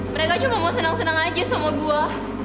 mereka cuma mau senang senang aja sama gue